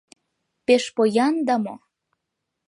Пеш поян да мо?